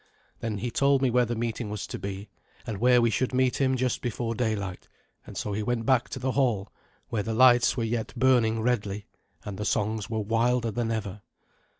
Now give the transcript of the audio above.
Then he told me where the meeting was to be, and where we should meet him just before daylight; and so he went back to the hall, where the lights were yet burning redly, and the songs were wilder than ever.